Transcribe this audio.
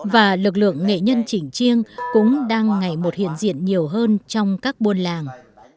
và lực lượng nghệ nhân chỉnh chiêng cũng đang ngày một hiện diện nhiều hơn trong các buôn làng